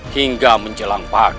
hingga menjelang pagi